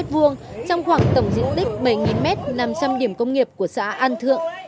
trong khoảng tổng diện tích bảy m nằm trong điểm công nghiệp của xã an thượng